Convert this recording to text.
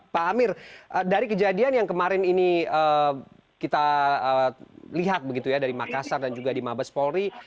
pak amir dari kejadian yang kemarin ini kita lihat begitu ya dari makassar dan juga di mabes polri